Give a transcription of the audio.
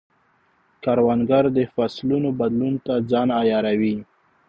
کروندګر د فصلونو بدلون ته ځان عیاروي